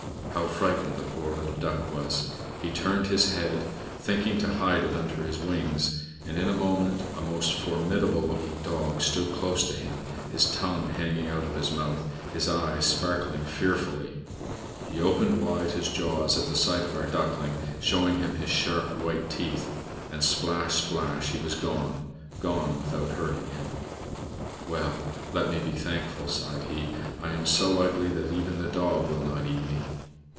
How frightened the poor little Duck was! He turned his head, thinking to hide it under his wings, and in a moment a most formidable looking Dog stood close to him, his tongue hanging out of his mouth, his eyes sparkling fearfully. He opened wide his jaws at the sight of our Duckling, showing him his sharp white teeth, and, splash, splash! he was gone gone without hurting him. "Well! let me be thankful," sighed he. "I am so ugly that even the Dog will not eat me."